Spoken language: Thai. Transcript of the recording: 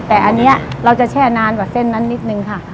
แต่อันนี้เราจะแช่นานกว่าเส้นนั้นนิดนึงค่ะ